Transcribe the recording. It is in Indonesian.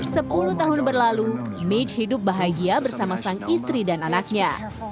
sepuluh tahun berlalu mitch hidup bahagia bersama sang istri dan anaknya